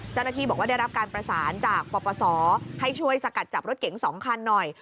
เจ้าหน้าที่บอกว่าได้รับการประสานจากปปศให้ช่วยสกัดจับรถเก๋ง๒คันหน่อย